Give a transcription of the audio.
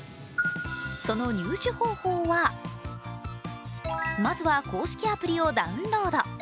その入手方法は、まずは公式アプリをダウンロード